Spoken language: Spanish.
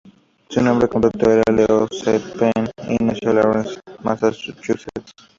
Su nombre completo era Leo Z. Penn, y nació en Lawrence, Massachusetts.